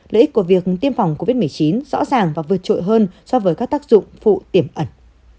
lợi ích của việc tiêm phòng covid một mươi chín rõ ràng và vượt trội hơn so với các tác dụng phụ tiềm ẩn